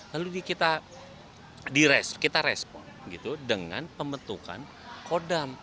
lalu kita respon gitu dengan pembentukan kodam